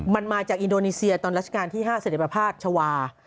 มันมาจากอินโดนีเซียตอนรัชกาลที่๕เสร็จภาพชาวา